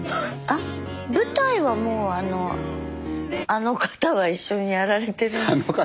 あっ舞台はもうあの一緒にやられてるんですか？